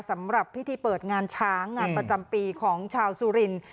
สำหรับพิธีเปิดงานช้างงานประจำปีของชาวสุรินทร์